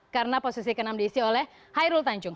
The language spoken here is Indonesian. karena posisi ke enam diisi oleh hairul tanjung